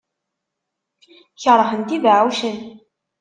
Keṛhent ibeɛɛucen.